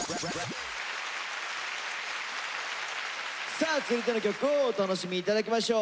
さあ続いての曲をお楽しみ頂きましょう。